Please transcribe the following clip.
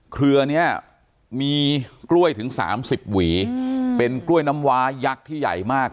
เครือนี้มีกล้วยถึง๓๐หวีเป็นกล้วยน้ำวายักษ์ที่ใหญ่มาก